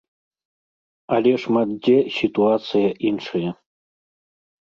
Але шмат дзе сітуацыя іншая.